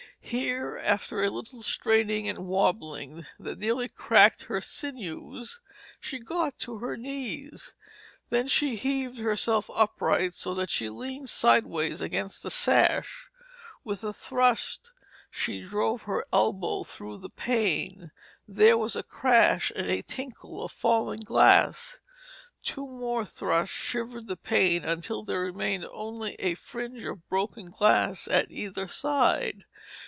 Here, after a little straining and wobbling, that nearly cracked her sinews, she got on her knees. Then she heaved herself upright so that she leaned sideways against the sash. With a thrust she drove her elbow through the pane. There was a crash and a tinkle of falling glass. Two more thrusts shivered the pane until there remained only a fringe of broken glass at either side.